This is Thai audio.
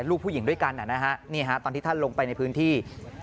ลูกผู้หญิงด้วยกันนะฮะตอนที่ท่านลงไปในพื้นที่